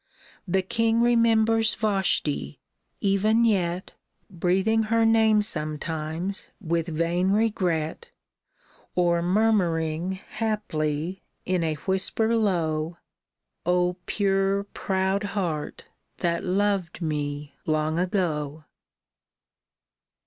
The king remembers Vashti, even yet Breathing her name sometimes with vain regret, Or murmuring, haply, in a whisper low, —" O pure, proud heart that loved me long ago